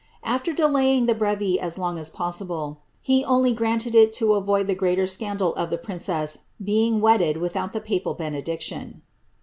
After delaying the hrere as long as possible, he only granted it to avoid the greater scandal of the princess being wedded without the papal benediction."